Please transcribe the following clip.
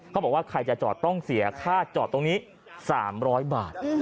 เขาบอกว่าใครจะจอดต้องเสียค่าจอดตรงนี้๓๐๐บาท